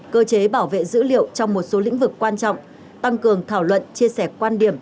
cơ chế bảo vệ dữ liệu trong một số lĩnh vực quan trọng tăng cường thảo luận chia sẻ quan điểm